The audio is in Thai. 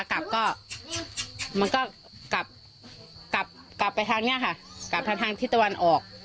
กับก็กับไปทางนั้นค่ะกับทางที่ตะวันออก